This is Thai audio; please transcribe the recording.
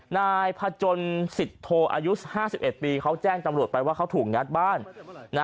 นายพจนสิทธโธอายุ๕๑ปีเขาแจ้งตำรวจไปว่าเขาถูกงัดบ้าน